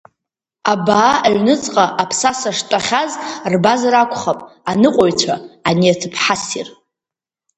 Абаа аҩныҵҟа аԥсаса штәахьаз рбазар акәхап аныҟәаҩцәа, ани аҭыԥҳа ссир…